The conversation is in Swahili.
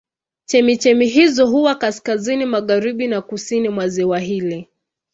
Chemchemi hizo huwa kaskazini magharibi na kusini mwa ziwa hili.